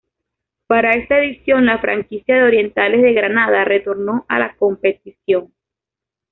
Para esta edición la franquicia de Orientales de Granada retornó a la competición.